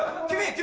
君！